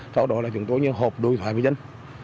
sau đó là chúng tôi hợp đối thoại với dân